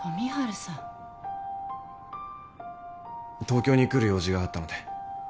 東京に来る用事があったので。